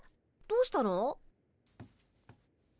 どうしたの？